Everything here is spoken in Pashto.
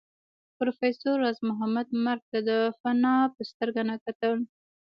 پروفېسر راز محمد مرګ ته د فناء په سترګه نه کتل